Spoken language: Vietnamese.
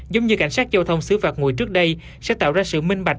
giống như cảnh sát giao thông xứ phạt ngồi trước đây sẽ tạo ra sự minh bạch